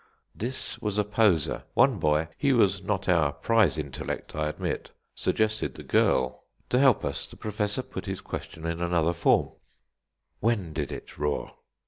This was a poser. One boy he was not our prize intellect, I admit suggested the girl. To help us the Professor put his question in another form: "When did it roar?"